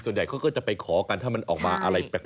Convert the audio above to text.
ส่วนใหญ่เขาก็จะไปขอกันถ้ามันออกมาอะไรแปลก